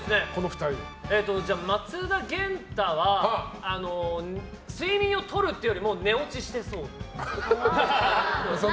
松田元太は睡眠をとるっていうよりも寝落ちしてそう。